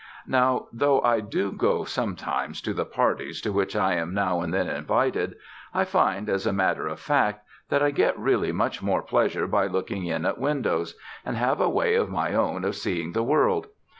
Now though I do go sometimes to the parties to which I am now and then invited, I find, as a matter of fact, that I get really much more pleasure by looking in at windows, and have a way of my own of seeing the World.